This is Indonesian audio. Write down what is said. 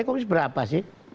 kok bisa berapa sih